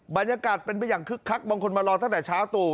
บรรยากาศเป็นไปอย่างคึกคักบางคนมารอตั้งแต่เช้าตู่